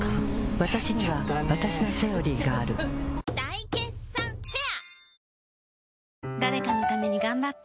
わたしにはわたしの「セオリー」がある大決算フェア